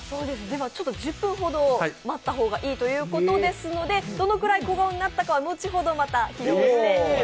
１０分ほど待った方がいいということですので、どのくらい小顔になったかは後ほど。